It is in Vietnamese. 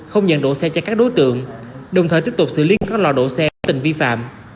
không nhận đổ xe cho các đối tượng đồng thời tiếp tục xử lý các lò đổ xe tình vi phạm